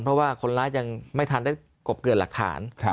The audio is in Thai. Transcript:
ที่คนราชยังไม่ทันได้กบเกลือดหลักฐาน